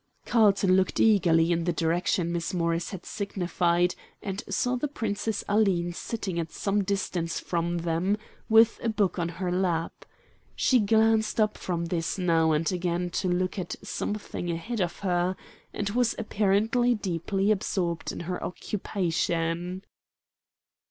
Carlton looked eagerly in the direction Miss Morris had signified, and saw the Princess Aline sitting at some distance from them, with a book on her lap. She glanced up from this now and again to look at something ahead of her, and was apparently deeply absorbed in her occupation.